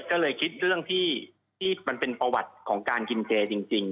ก็เลยคิดเรื่องที่มันเป็นประวัติของการกินเจจริง